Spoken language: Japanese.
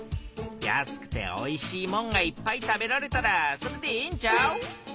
安くておいしいもんがいっぱい食べられたらそれでええんちゃう？